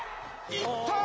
いったー！